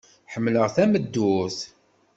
Ḥemmleɣ tameddurt.